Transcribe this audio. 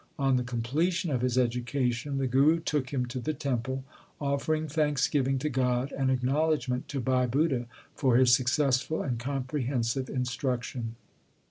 On the completion of his education the Guru took him to the temple, offered thanksgiving to God and acknow ledgement to Bhai Budha for his successful and comprehensive instruction.